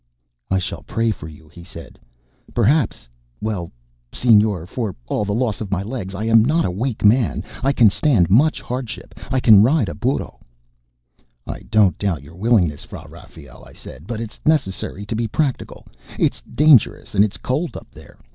"I shall pray for you," he said. "Perhaps well, Señor, for all the loss of my legs, I am not a weak man. I can stand much hardship. I can ride a burro." "I don't doubt your willingness, Fra Rafael," I said. "But it's necessary to be practical. It's dangerous and it's cold up there.